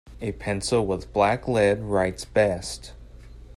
A pencil with black lead writes best.